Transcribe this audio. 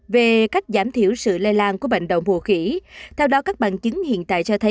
về cách giảm thiểu sự lây lan của bệnh động hồ khỉ theo đó các bằng chứng hiện tại cho thấy